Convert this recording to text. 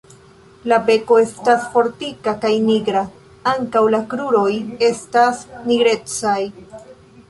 La beko estas fortika kaj nigra; ankaŭ la kruroj estas nigrecaj.